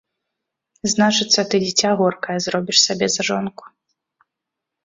Значыцца, ты дзіця горкае зробіш сабе за жонку.